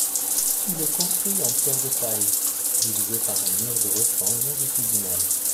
Il est construit en pierre de taille, divisé par un mur de refend longitudinal.